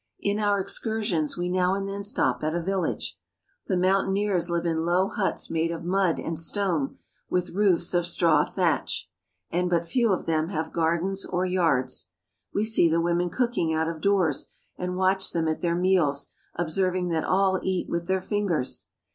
In our excursions we now and then stop at a village. The mountaineers live in low huts made of mud and stone, with roofs of straw thatch. The huts are not much larger than dry goods boxes, and but few of them have gardens or yards. We see the women cooking out of doors and watch them at their meals, observing that all eat with their fingers.